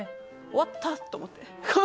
終わったと思って。